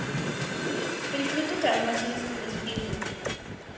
El fruto carnoso es comestible.